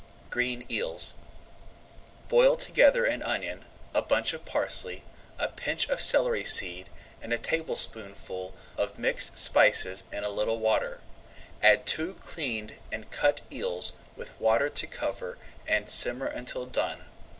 GREEN EELS Boil together an onion, a bunch of parsley, [Page 128] a pinch of celery seed, and a teaspoonful of mixed spices in a little water. Add two cleaned and cut eels with water to cover and simmer until done.